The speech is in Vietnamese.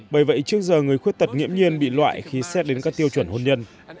bởi vậy trước giờ người khuyết tật nghiễm nhiên bị loại khi xét đến các tiêu chuẩn hôn nhân